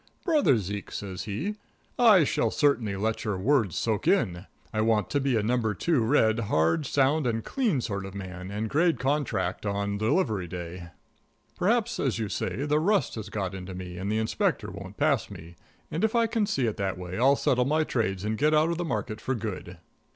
"Brother Zeke," says he, "I shall certainly let your words soak in. I want to be a number two red, hard, sound and clean sort of a man, and grade contract on delivery day. Perhaps, as you say, the rust has got into me and the Inspector won't pass me, and if I can see it that way I'll settle my trades and get out of the market for good."